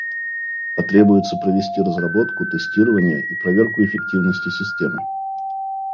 Потребуется провести разработку, тестирование и проверку эффективности системы.